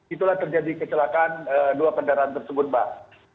itulah terjadi kecelakaan dua kendaraan tersebut mbak